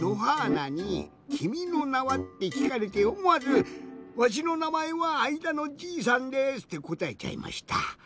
なに「君の名は。」ってきかれておもわず「わしのなまえはあいだのじいさんです」ってこたえちゃいました。